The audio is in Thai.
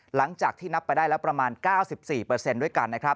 หลังจากที่นับไปได้แล้วประมาณ๙๔ด้วยกันนะครับ